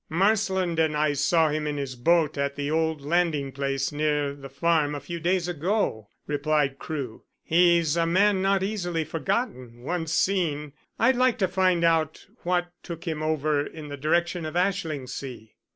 "Marsland and I saw him in his boat at an old landing place near the farm a few days ago," replied Crewe. "He's a man not easily forgotten once seen. I'd like to find out what took him over in the direction of Ashlingsea."